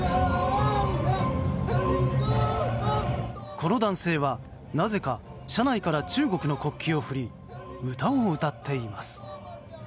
この男性は、なぜか車内から中国の国旗を振り歌を歌っています。